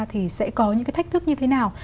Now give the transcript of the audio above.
thì sẽ có những cái thách thức như thế nào